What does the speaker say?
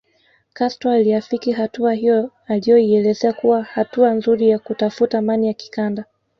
Castro aliafiki hatua hiyo aliyoielezea kuwa hatua nzuri ya kutafuta mani ya kikanda